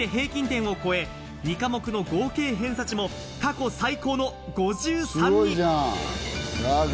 初めて平均点を超え、２科目の合計偏差値も過去最高の５３に！